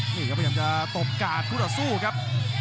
นี่ครับพยายามจะตบกาดคู่ต่อสู้ครับ